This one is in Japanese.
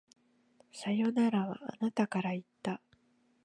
さよならは、あなたから言った。